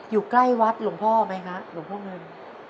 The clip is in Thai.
อยู่ใกล้วัดหลวงพ่อไหมคะหลวงพ่อเงิน